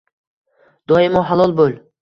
Doimo halol bo‘l.